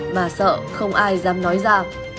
mà sợ không ai dám nói ra